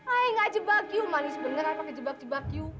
ayo nggak jebak yu manis bener ayo pake jebak jebak yu